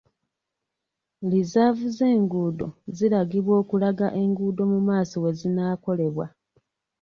Lizaavu z'engudo ziragibwa okulaga enguudo mu maaso wezinaakolebwa.